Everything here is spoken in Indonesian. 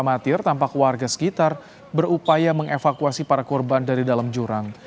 amatir tampak warga sekitar berupaya mengevakuasi para korban dari dalam jurang